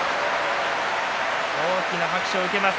大きな拍手を受けます